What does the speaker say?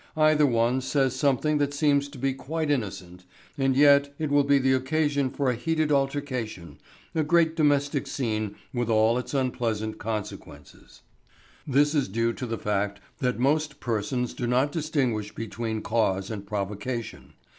Either one says something that seems to be quite innocent, and yet it will be the occasion for a heated altercation, a great domestic scene with all its unpleasant consequences. This is due to the fact that most persons do not distinguish between cause and provocation.